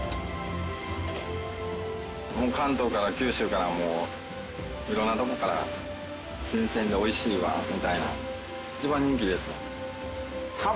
関東から九州から色んなとこから「新鮮で美味しいわ」みたいな一番人気ですわ。